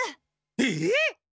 えっ！？